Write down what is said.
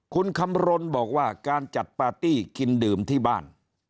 คุณคำรณบอกว่าการจัดปาร์ตี้กินดื่มที่บ้าน